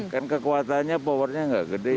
kan kekuatannya powernya nggak gede